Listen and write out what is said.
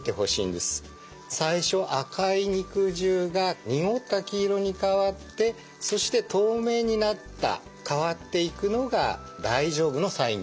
最初赤い肉汁が濁った黄色に変わってそして透明になった変わっていくのが大丈夫のサインになります。